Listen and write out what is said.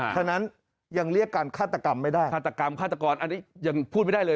ฉะนั้นยังเรียกการฆาตกรรมไม่ได้